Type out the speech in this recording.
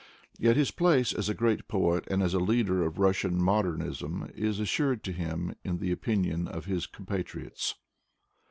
Yet his place as a great poet and as the leader of Russian modernism is assured to him in the opinion of his compatriots.